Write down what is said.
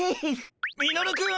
・ミノルくん！